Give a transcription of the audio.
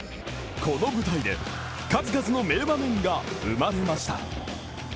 この舞台で数々の名場面が生まれました。